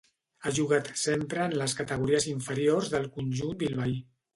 Ha jugat sempre en les categories inferiors del conjunt bilbaí.